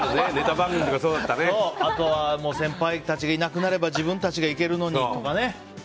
あとは、先輩たちがいなくなれば自分たちがいけるのに！とかね。